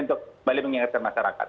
untuk balik mengingatkan masyarakat